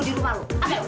tunggu tunggu tunggu